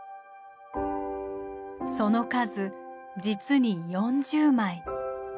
その数実に４０枚。